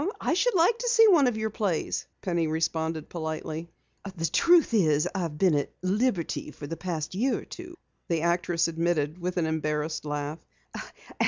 "I should like to see one of your plays," Penny responded politely. "The truth is I've been 'at liberty' for the past year or two," the actress admitted with an embarrassed laugh.